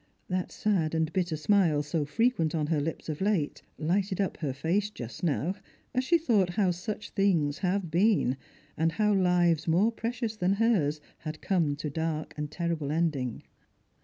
That sad and bitter smil^ so fre quent on her lips of late, lighted up her face just now, as she tiiought how such things have been, and how lives more precious than hers had come to dark and terrible ending.